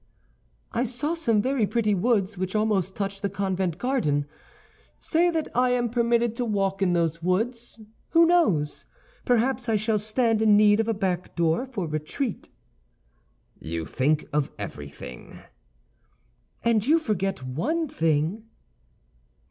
"I saw some very pretty woods which almost touch the convent garden. Say that I am permitted to walk in those woods. Who knows? Perhaps I shall stand in need of a back door for retreat." "You think of everything." "And you forget one thing."